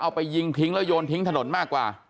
เอาไปยิงทิ้งแล้วโยนทิ้งถนนมากกว่า